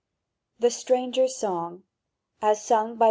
THE STRANGER'S SONG (As sung by MR.